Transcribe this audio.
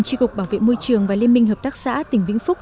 tri cục bảo vệ môi trường và liên minh hợp tác xã tỉnh vĩnh phúc